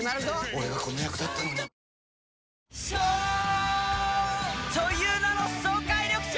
俺がこの役だったのに颯という名の爽快緑茶！